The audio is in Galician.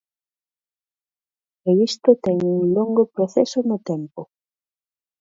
E isto ten un longo proceso no tempo.